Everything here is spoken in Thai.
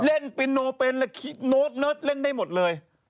เล่นปีโนเป็นเล่นโน๊ตเนิดเล่นได้หมดเลย